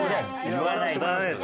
言わないですね。